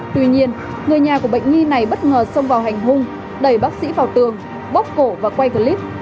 tuy nhiên người nhà của bệnh nhi này bất ngờ xông vào hành hung đẩy bác sĩ vào tường bóc cổ và quay clip